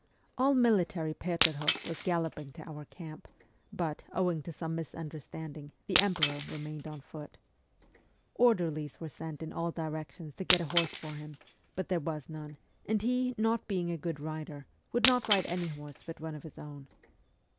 All military Peterhof was galloping to our camp r but, owing to some misunder standing, the emperor remained on foot. Orderlies were sent in all directions to get a horse for him, but there was none, and he, not being a good rider, would not ride any horse but one of his own.